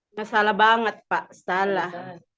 enggak salah banget pak salah